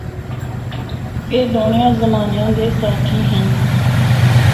اے دونڑے زمانیاں دے ساتھی ہن۔